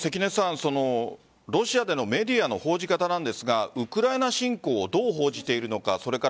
ロシアでのメディアの報じ方なんですがウクライナ侵攻をどう報じているのか。